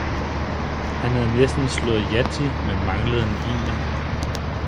Han havde næste slået Yatzy, men manglede en ener.